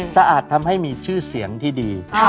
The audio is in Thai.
สะอาดทำให้มีชื่อเสียงที่ดี